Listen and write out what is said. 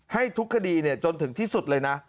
ให้ทุกคดีจนถึงที่สุดเลยนะ